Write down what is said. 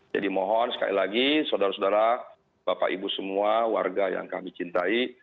jadi mohon sekali lagi saudara saudara bapak ibu semua warga yang kami cintai